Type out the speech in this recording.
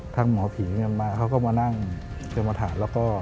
ทางหมอผีเขาก็มานั่งจังหมาฐาน